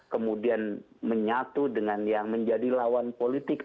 kemudian menyatu dengan yang menjadi lawan politik